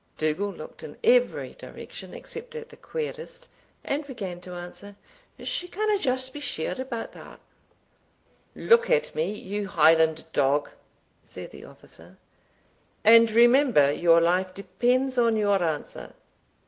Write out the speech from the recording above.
Dougal looked in every direction except at the querist, and began to answer, "She canna just be sure about that." "Look at me, you Highland dog," said the officer, "and remember your life depends on your answer.